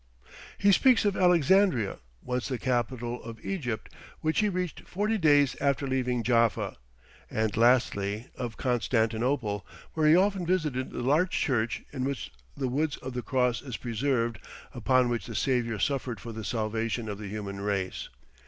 He speaks of Alexandria, once the capital of Egypt, which he reached forty days after leaving Jaffa, and lastly, of Constantinople, where he often visited the large church in which "the wood of the cross is preserved, upon which the Saviour suffered for the salvation of the human race."